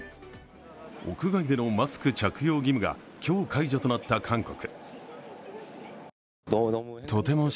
屋外でのマスク着用義務が今日、解除となった韓国。